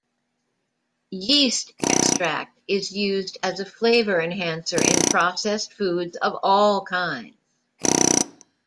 Yeast extract is used as a flavour enhancer in processed foods of all kinds.